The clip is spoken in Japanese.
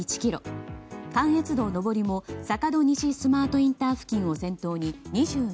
関越道上りも坂戸西スマートインター付近を先頭に２２ｋｍ。